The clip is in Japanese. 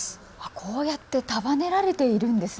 こうやって束ねられているんですね。